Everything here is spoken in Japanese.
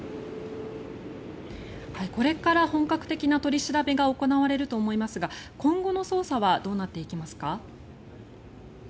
これから本格的な取り調べが行われると思いますが今後の捜査はどうなっていきますか？